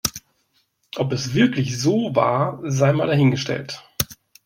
Ob es wirklich so war, sei mal dahingestellt.